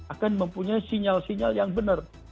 akan mempunyai sinyal sinyal yang benar